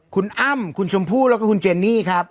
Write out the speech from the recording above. คุณอ้ำคุณชมพู่แล้วก็คุณเจนนี่ครับ